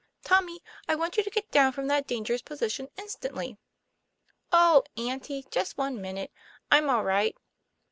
' Tommy, I want you to get down from that dan gerous position instantly." ' Oh, Auntie, just one minute; I'm all right."